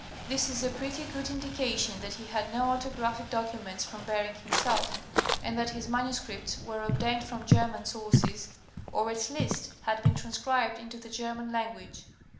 This is a pretty good indication that he had no autographic documents from Bering himself, and that his manuscripts were obtained from German sources, or at least had been transcribed into the German language.